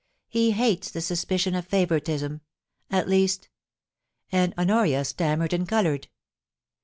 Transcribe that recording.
He hates the suspicion of favouritism — at least ' And Honoria stammered and coloured.